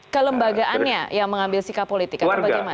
kelembagaannya yang mengambil sikap politik atau bagaimana